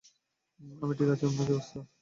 আমি ঠিক আছি আপনার কী অবস্থা?